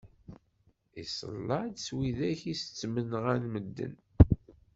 Iṣella-d s widak i s ttmenɣan medden.